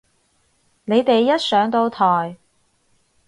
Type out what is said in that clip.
你哋一上到台